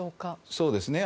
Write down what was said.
そうですね。